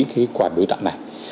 cái quà biểu tạng này